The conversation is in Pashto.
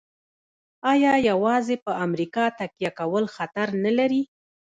آیا یوازې په امریکا تکیه کول خطر نلري؟